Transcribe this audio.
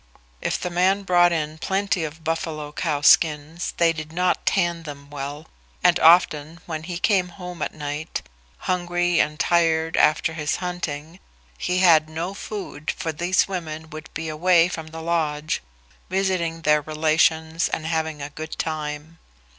If the man brought in plenty of buffalo cow skins they did not tan them well, and often when he came home at night, hungry and tired after his hunting, he had no food, for these women would be away from the lodge, visiting their relations and having a good time.